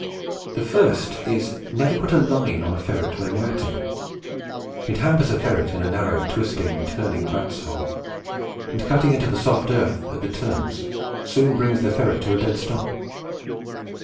The first is, never put a line on a ferret when ratting. It hampers a ferret in a narrow, twisting, turning rat's hole, and cutting into the soft earth at the turns soon brings the ferret to a dead stop.